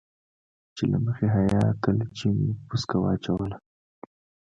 چې له مخې حيا کله چې مو پسکه واچوله.